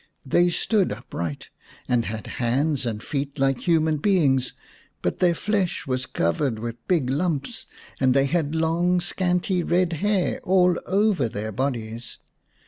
They stood upright, and had hands and feet like a human being, but their flesh was covered with big lumps and they had long scanty red hair all over their bodies.